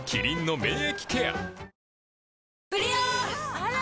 あら！